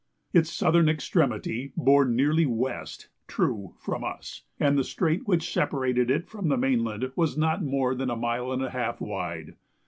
Its southern extremity bore nearly west (true) from us, and the strait which separated it from the mainland was not more than a mile and a half wide.